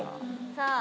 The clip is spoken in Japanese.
「さあ」